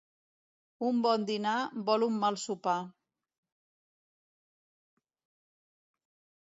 Un bon dinar vol un mal sopar.